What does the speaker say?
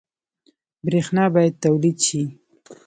برښنا باید تولید شي